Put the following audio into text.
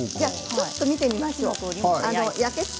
見てみましょう。